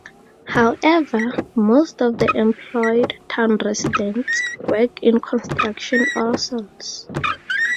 However, most of the employed town residents work in construction or sales.